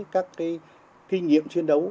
các cái kinh nghiệm chiến đấu